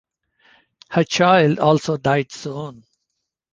Her child also died soon.